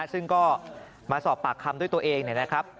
ซึ่งก็มาสอบปากคำด้วยตัวเองนะครับ